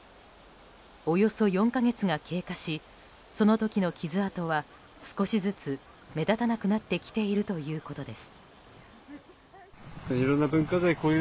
およそ４か月が経過しその時の傷痕は少しずつ目立たなくなってきているということです。